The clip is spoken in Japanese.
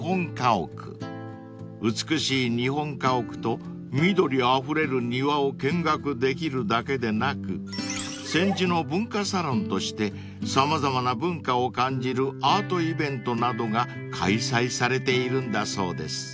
［美しい日本家屋と緑あふれる庭を見学できるだけでなく千住の文化サロンとして様々な文化を感じるアートイベントなどが開催されているんだそうです］